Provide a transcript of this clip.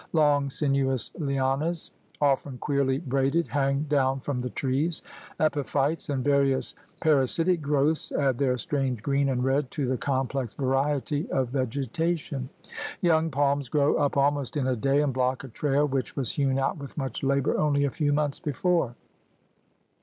Long, sinuous lianas, often queerly braided, hang down from the trees; epiphytes and various para sitic growths add their strange green and red to the complex variety of vegetation. Young palms grow up almost in a day and block a trail which was hewn out with much labor only a few months before.